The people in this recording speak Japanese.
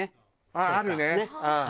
あっあるね。